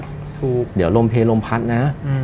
เดี๋ยวลมเพลย์ลมพัดนะ